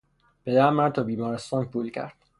پدرم مرا تا بیمارستان کول کرد.